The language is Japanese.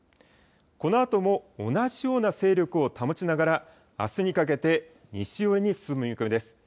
このあとも同じような勢力を保ちながら、あすにかけて西寄りに進む見込みです。